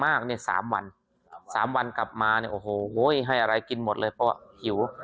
เนี่ย๓วัน๓วันกลับมาเนี่ยโอ้โหให้อะไรกินหมดเลยเพราะว่าหิว